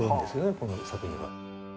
この作品は。